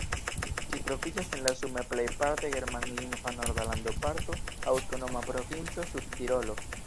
Ĝi troviĝas en la sume plejparte germanlingva norda landoparto Aŭtonoma Provinco Sudtirolo.